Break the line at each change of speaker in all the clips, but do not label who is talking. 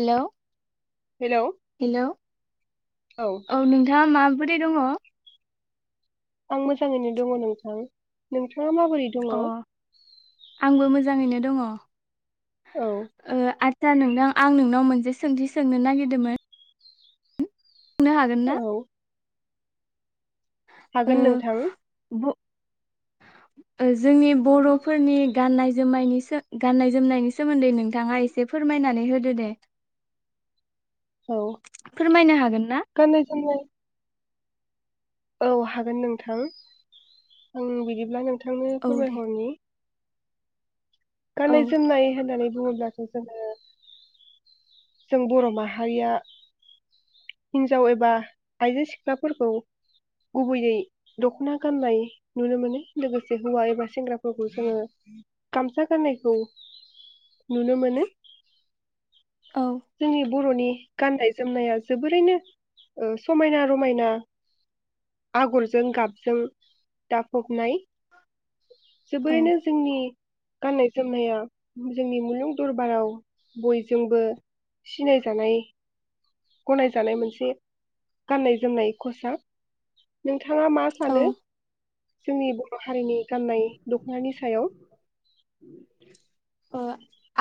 Hello
hello
hello औ नोंथाङा मा मोदाइ दङ
आं मोजाङैनो दङ नोंथां नोंथां नोंथाङा माबोरै दङ
जाङैनो दङ।
औ
ओ आ सार नोंथां आं नोंनाव मोनसे सोंथि सोंनो नागिरदोमोन बुंनो हागोन ना
हागोन नोंथां।
ब ओ जोंनि बर'फोरनि गाननाय जोमनायनि सो गाननाय जोमनायनि सोमोन्दै नोंथाङा एसे फोरमायनानै होदो दे
औ
फोरमायनो हागोन ना?
गाननाय जोमनाय औ हागोन नोंथां आं बिदिब्ला नोंथां नोंथांनो
औ दे
फोरमायहरनि
औ
गाननाय जोमनाय होननानै बुङोब्लाथ जोङो जों बर' माहारिया हिन्जाव एबा आइजो सिख्लाफोरखौ गुबैयै दखना गाननाय नुनो मोनो लोगोसे हौवा एबा सेंग्राफोरखौ जोङो गामसा गाननायखौ नुनो मोनो
औ
जोंनि बर'नि गाननाय जोमनाया जोबोरैनो ओ समायना रमायना आगरजों गाबजों दाफबनाय
औ
जोबोरैनो जोंनि गाननाय जोमनाया जोंनि मुलुग दरबाराव बयजोंबो सिनायजानाय गनायजानाय मोनसे गाननाय जोमनाय खसाब नों नोंथाङा मा
औ
सानो जोंनि बर' हारिनि गाननाय दखनानि सायाव
ओ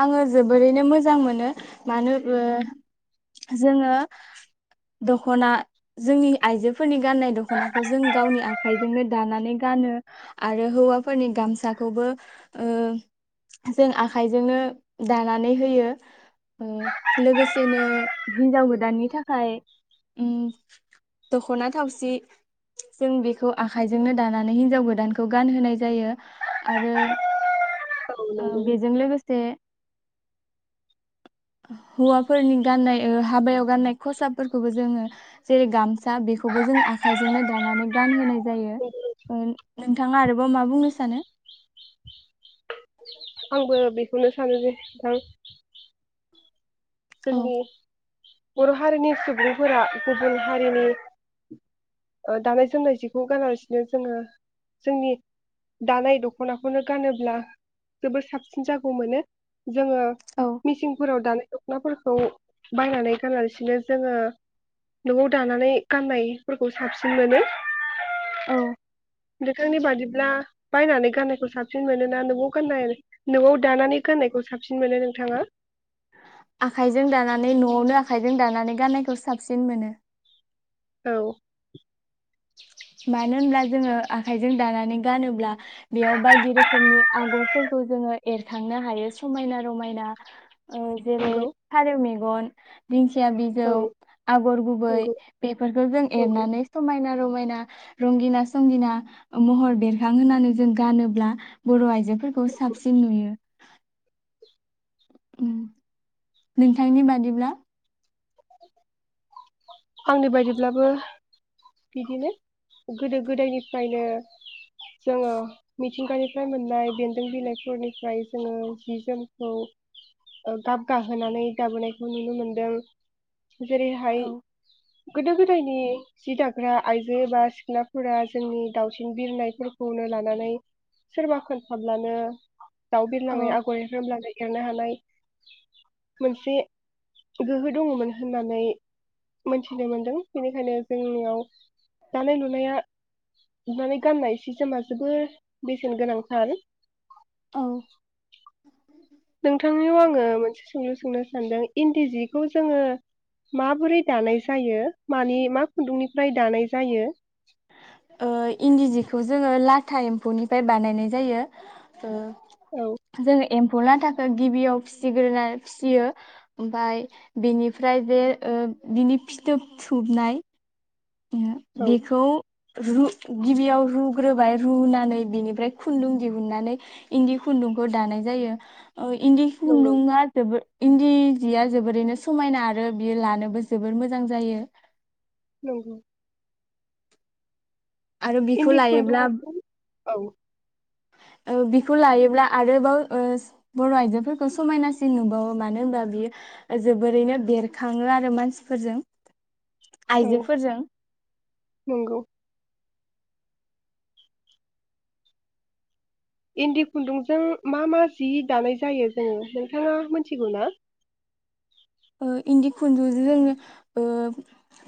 आङो जोबोरैनो मोजां मोनो मानोबो जोङो दख'ना जोंनि आइजोफोरनि गाननाय दख'नाखौ जों गावनि आखाइजोंनो दानानै गानो आरो हौवाफोरनि गामसाखौबो ओ जों आखाइजोंनो दानानै होयो ओ लोगोसेनो हिनजाव गोदाननि थाखाय ओम दखना थावसि जों बेखौ आखाइजोंनो दानानै हिन्जाव गोदानखौ गानहोनाय जायो आरो
औ
ओ
नंगौ
बेजों लोगोसे हौवाफोरनि गाननाय ओ हाबायाव गाननाय खसाबफोरखौबो जोङो जेरै गामसा बेखौबो जों आखाइजोंनो दानानै गानहोनाय जायो ओ नोंथाङा आरोबाव मा बुंनो सानो
आंबो बेखौनो सानो जे नोंथां
औ
जोंनि बर' हारिनि सुबुंफोरा गुबुन हारिनि ओ दानाय जोमनाय जिखौ गानालासिनो जोङो जोंनि दानाय दख'नाखौनो गानोब्ला जोबोद साबसिन जागौ मोनो जोङो मिसिंफोराव दानाय दखनाफोरखौ बायनानै गानालासिनो जोङो नआव दानानै गाननायफोरखौ साबसिन मोनो
औ।
नोंथांनि बादिब्ला बायनानै गाननायखौ साबसिन मोनोना न'आव ख [unintelligible] न'आव दानानै गाननायखौ साबसिन मोनो नोंथाङा?
आखाइजों दानानै न'आवनो आखाइजों दानानै गाननायखौ साबसिन मोनो।
औ।
मानो होनब्ला जोङो आखाइजों दानानै गानोब्ला बेयाव बायदि रोखोमनि आगरफोरखौ जोङो एरखांनो हायो समायना रमायना ओ जेरै
नंगौ
फारेव मे गन दिंखि या बिजौ
औ
आगर गुबै
नंगौ
बेफोरखौ जों
नंगौ
एरनानै समायना रमायना रंगिना संगिना महर बेरखां होननानै जों गानोब्ला बर' आइजोफोरखौ साबसिन नुयो। उम नोंथांनि बादिब्ला?
आंनि बायदिब्लाबो बिदिनो गोदो गोदायनिफ्रायनो जोङो मिथिंगानिफ्राय मोननाय बेन्दों बिलाइफोरनिफ्राय जोङो जि जोमखौ ओ गाब गाहोनानै दाबोनायखौ नुनो मोनदों। जेरैहाय
औ
गोदो गोदायनि जि दाग्रा आइजो एबा सिख्लाफोरा जोंनि दावसिन बिरनायफोरखौनो लानानै सोरबा खोनथाब्लानो दाउ बिरलांनाय
औ
आगर एर होमब्लानो एर नो हानाय मोनसे गोहो दङ'मोन होननानै मोनथिनो मोनदों। बेनिखायनो जोंनियाव दानाय लुनाया लुनानै गाननाय सि जोमा जोबोर बेसेन गोनांथार।
औ
नोंथांनियाव आङो मोनसे सोंलु सोंनो सानदों। इन्दि जिखौ जोङो माबोरै दानाय जायो मानि मा खुन्दुंनिफ्राय दानाय जायो?
ओ इन्दि जिखौ जोङो लाथा एम्फौनिफ्राय बानायनाय जायो ओ
औ।
जोङो एम्फौ लाथाखो गिबियाव फिसिग्रोना फिसियो। ओमफाय बेनिफ्राय जे ओ बिनि फिथोब थुबनाय [unintelligible]
औ
बेखौ रू गिबियाव रुग्रोबाय रुनानै बिनिफ्राय खुन्दुं दिहुननानै इन्दि खुन्दुंखौ दानाय जायो। ओ इन्दि
नंगौ
खुन्दुंङा जोबोर इन्दि जिया जोबोरैनो समायना आरो बियो लानोबो जोबोर मोजां जायो।
नंगौ।
आरो बिखौ
इन्दि
लायोब्ला
खुन्दुंजों औ।
ओ बिखौ लायोब्ला आरोबाव ओस बर'आइजोफोरखौ समायनासिन नुबावो। मानो होनबा बियो जोबोरैनो बेरखाङो आरो मानसिफोरजों।
औ
आइजोफोरजों।
नंगौ इन्दि खुन्दुंजों मा मा जि दानाय जायो जों नोंथाङा मोन्थिगौ ना?
ओ इन्दि खुन्दुंजों जोङो ओ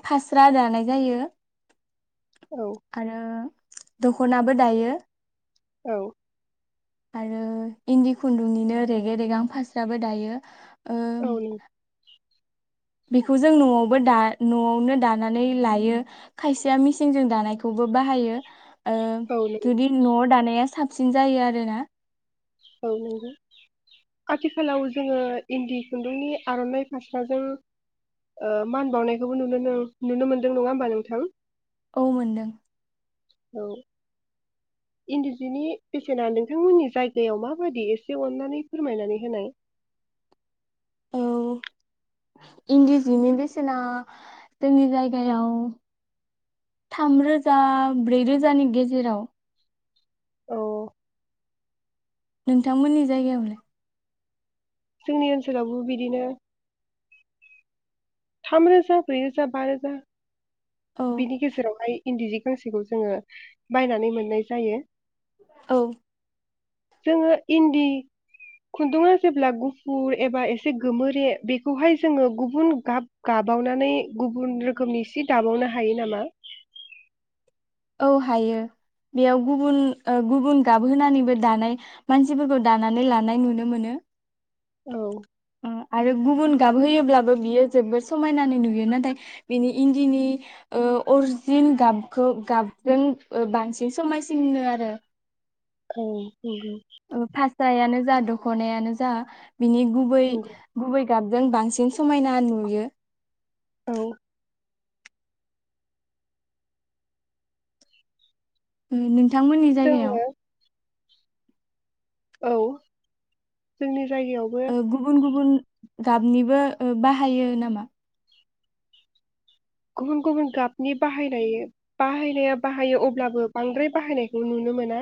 फास्रा दानाय जायो।
औ
आरो दख'नाबो दायो।
औ
आरो इन्दि खुन्दुंनिनो रेगे रेगां फास्राबो दायो ओ
औ नंगौ
बेखौ जों नआवबो दा नआवनो दानानै लायो खायसेया मेसिजों दानायखौबो बाहायो ओ
औ नों
जुदि नआव दानाया साब साबसिन जायो आरोना।
औ नंगौ आथिखालाव जोङो इन्दि खुन्दुंनि आरनाइ फास्राजों ओ मान बावनायखौबो नुनो नो नुनो मोनदों नङा होमबा नोंथां
औ मोनदों
औ इन्दि जिनि बेसेना नोंथांमोननि जायगायाव माबायदि एसे अननानै फोरमायनानै होनाय।
औ इन्दि जिनि बेसेना जोंनि जायगायाव थामरोजा ब्रैरोजानि गेजेराव।
औ
नोंथांमोननि जायगायावलाय?
जोंनि ओनसोलावबो बिदिनो। थामरोजा ब्रै रोजा बा रोजा
औ
बिनि गेजेरावहाय। इन्दि जि गांसेखौ जोङो बायनानै मोननाय जायो।
औ
जोङो इन्दि खुन्दुङा जेब्ला गुफुर एबा एसे गोमोरे बेखौहाय जोङो गुबुन गाब गाबावनानै गुबुन रोखोमनि सि दाबावनो हा हायो नामा?
औ हायो, बेयाव गुबुन ओ गुबुन गाबहोनानैबो दानाय मानसिफोरखौ दानानै लानाय नुनो मोनो।
औ
अ आरो गुबुन गाब होयोब्लाबो बियो जोबोद समायनानै नुयो नाथाय बिनि इन्दिनि ओ अरजिन गाबखौ गाबजों बांसिन समायसिनो आरो।
औ नंगौ।
फास्रायानो जादों दखनायानो जा बिनि गुबै
नंगौ
गुबै गाबजों बांसिन समायना नुयो।
औ
नों बिथांमोननि
जोङो
जायगायाव
औ जोंनि जायगायावबो
ओ गुबुन गुबुन गाबनिबो बाहायो नामा?
गुबुन गुबुन गाबनि बाहायलायो बाहायनाया बाहायो अब्लाबो बांद्राय बाहायनायखौ नुनो मोना।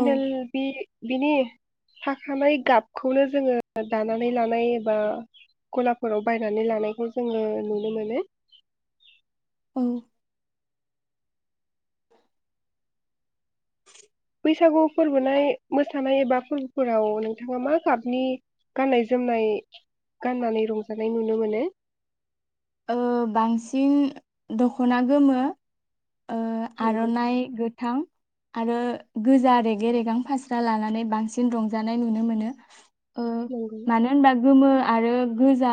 औ
बि बिनि थाखानाय गाबखौनो जोङो दानानै लानाय एबा गलाफोराव बायनानै लानायखौ जोङो नु नुनो मोनो
[inaudible]
बैसागु फोरबोनाय मोसानाय एबा फोरबोफोराव नोंथाङा मा गाबनि गाननाय जोमनाय गाननानै रंजानाय नुनो मोनो?
ओ बांसिन दखना गोमो ओ
नंगौ
आरनाइ गोथां आरो गोजा रेगे रेगां फास्रा लानानै बांसिन रंजानाय नुनो मोनो
नंगौ
मानो होनबा गोमो आरो गोजा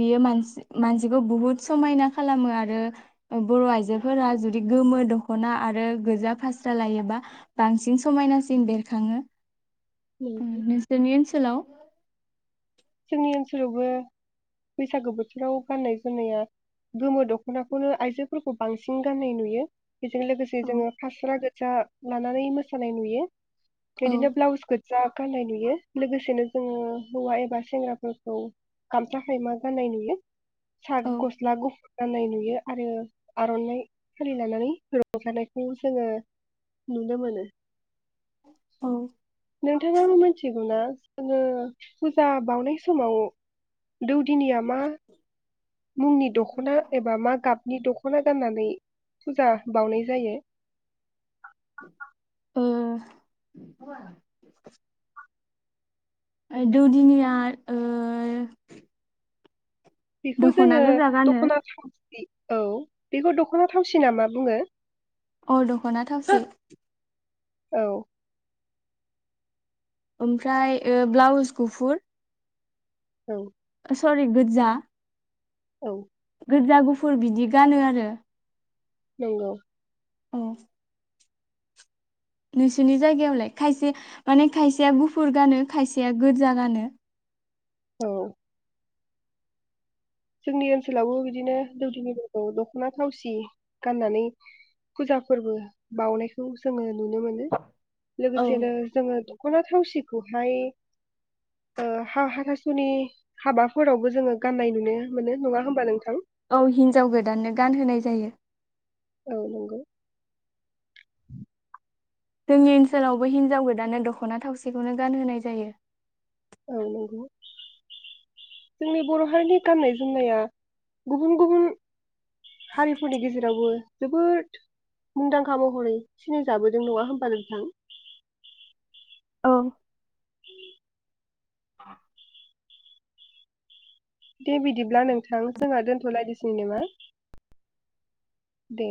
बियो मानसि मानसिखौ बुहुद समायना खालामो आरो बर' आइजोफोरा जुदि बिदि गोमो दखना आरो गोजा फास्रा लायोबा बांसिन समायनासिन बेरखाङो उम
नंगौ
नोंसोरनि ओनसोल हेलौ
जोंनि ओनसोलावबो बैसागो बोथोराव गाननाय जोमनाया गोमो दखनाखौनो आइजोफोरखौ बांसिन गाननाय नुयो बेजों लोगोसे जोङो
औ
फास्रा गो गोजा लानानै मोसानाय नुयो एदिनो ब्लाउस गो जा गाननाय नुयो लोगोसेनो जोङो हौवा एबा सेंग्राफोरखौ गामसा खायमा गानाय नुयो साद
औ
गसला गुफु गाननाय नुयो आरो आर'नाइ फोर लानानै रंजानायखौ जोङो नुनो मोनो
ओ
नोंथाङाबो मिथिगौ ना जोङो फुजा बाउनाय समाव दौदिनिया मा मुंनि दख' खना एबा मा गाब नि दख'ना गाननानै फुजा बावनाय जायो
ओ दौदिनिया ओ
बेखौ
दख'ना
जोङो
गोजा गानो
दख'ना थावसि औ बेखौ दख'ना थावसि नामा बुङो
अ दख'ना थावसि
औ
ओमफ्राय ओ ब्लाउस गुफुर
औ
सरि गोजा
औ
गोजा गुफुर बिदि गानो आरो
नंगौ
औ नोंसोरनि जायगायावलाय खायसे माने खायसेया गुफुर गानो खायसेया गोजा गानो
औ जोंनि ओनसोलावबो बिदिनो दौदिनिफोरखौ दख'ना थावसि गाननानै फुजा फोरबो बाउनायखौ जोङो नुनो मोनो
औ
लोगोसेनो जोङो दख'ना थावसिखौहाय ओ हा हाथासुनि हाबाफोरावबो जोङो गाननाय नुनो मोनो नङा होनबा नोंथां
औ हिन्जाव गोदाननो गानहोनाय जायो।
औ नंगौ।
जोंनि ओनसोलावबो हिनजाव गोदानो दख'ना थावसिखौनो गानहोनाय जायो।
औ नंगौ जोंनि बर' हारिनि गाननाय जोमनाया गुबुन गुबुन हारिफोरनि गेजेरावबो जोबोद मुंदांखा महरै सिनायजाबोदों नङा होनबा नोंथां?
औ
[inaudible]
ओ
दे बिदिब्ला नोंथां जोंहा दोनथ'लायनोसै नामा दे